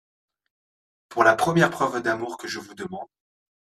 Pour la première preuve d’amour que je vous demande…